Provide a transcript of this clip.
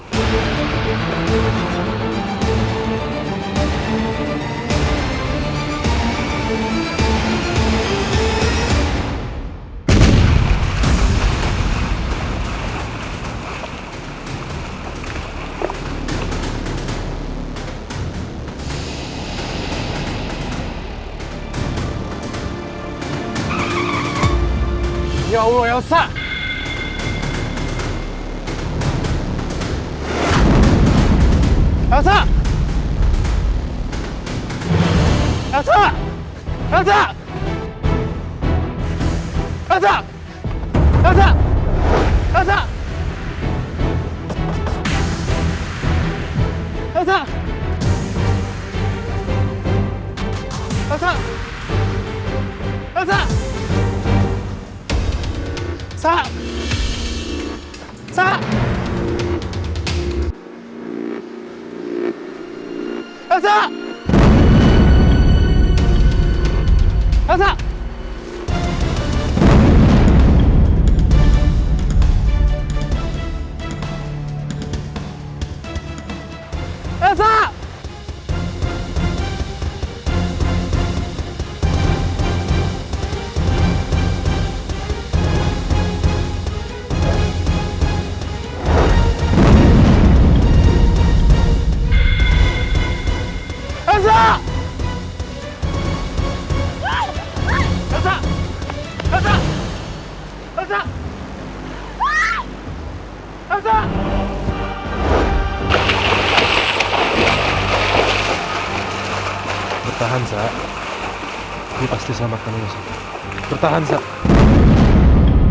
ini pasti sama tani bertahan sarah